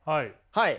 はい。